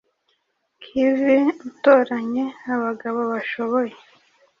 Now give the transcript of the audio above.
kv utoranye abagabo bashoboye